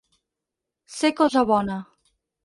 Ser cosa bona.